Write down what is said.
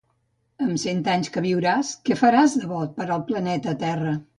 Amb cent anys que viuràs que faràs de bó per al planeta Terra?